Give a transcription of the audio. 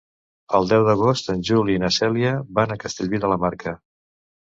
El deu d'agost en Juli i na Cèlia van a Castellví de la Marca.